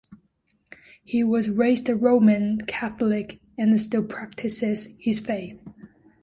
He was raised Roman Catholic and still practices his faith.